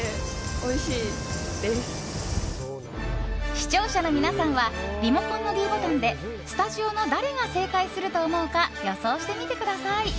視聴者の皆さんはリモコンのｄボタンでスタジオの誰が正解すると思うか予想してみてください。